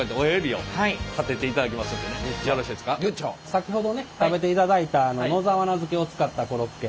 先ほどね食べていただいた野沢菜漬けを使ったコロッケ。